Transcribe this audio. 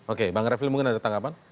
oke bang refli mungkin ada tanggapan